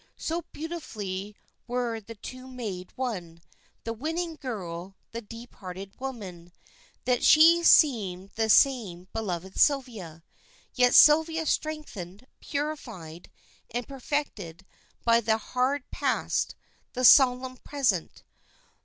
So beautifully were the two made one, the winning girl, the deep hearted woman, that she seemed the same beloved Sylvia, yet Sylvia strengthened, purified, and perfected by the hard past, the solemn present.